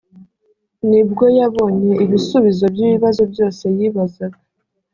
ni bwo yabonye ibisubizo by’ibibazo byose yibazaga